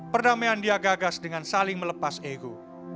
perdamaian dia gagas dengan saling melepas ego